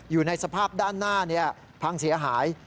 อยู่ในสภาพด้านหน้าพังเสียหาย